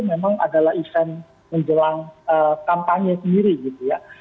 memang adalah event menjelang kampanye sendiri gitu ya